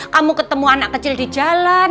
kamu ketemu anak kecil di jalan